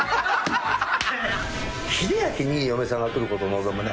英明に嫁さんが来ることを望むね。